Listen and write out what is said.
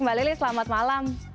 mbak lely selamat malam